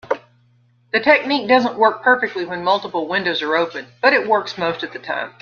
This technique doesn't work perfectly when multiple windows are open, but it works most of the time.